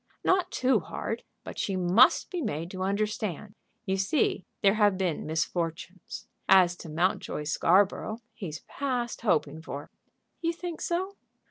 "Not too hard, but she must be made to understand. You see there have been misfortunes. As to Mountjoy Scarborough, he's past hoping for." "You think so?"